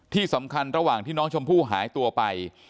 ที่สำคัญระหว่างที่น้องชมพู่หายตัวไป